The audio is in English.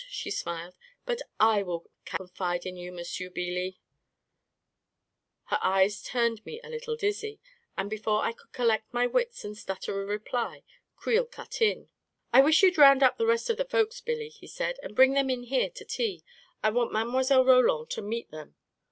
" she smiled. " But, / will confide in you, M'sieu Beelee." Her eyes turned me a little dizzy, and before I could collect my wits and stutter a reply. Creel cut in. " I wish you'd round up the rest of the folks, Billy," he said, " and bring them in here to tea. I want Mile. Roland to meet them."